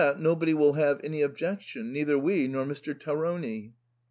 35 nobody will have any objection, neither we, nor Mr. Tarone."